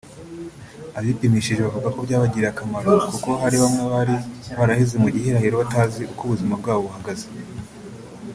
Abipimishije bavuga ko byabagiriye akamaro kuko hari bamwe bari baraheze mu gihirahiro batazi uko ubuzima bwa bo buhagaze